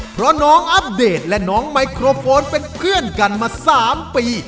เพราะน้องอัปเดตและน้องไมโครโฟนเป็นเพื่อนกันมา๓ปี